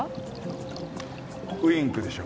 ウインクでしょ？